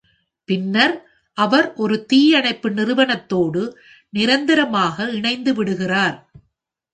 பின்னர் அவர் ஒரு தீயணைப்பு நிறுவனத்தோடு நிரந்தரமாக இணைந்துவிடுகிறார்.